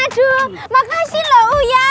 aduh makasih loh uya